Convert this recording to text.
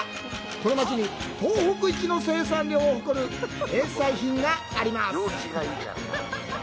この町に、東北一の生産量を誇る名産品があるんです。